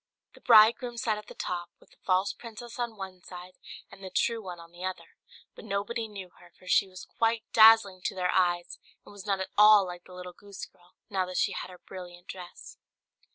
The bridegroom sat at the top, with the false princess on one side, and the true one on the other; but nobody knew her, for she was quite dazzling to their eyes, and was not at all like the little goose girl, now that she had her brilliant dress.